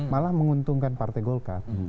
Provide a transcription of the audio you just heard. malah menguntungkan partai golkar